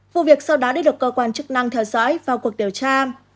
vụ việc sau đó đã được cơ quan chức năng theo dõi vào cuộc điều tra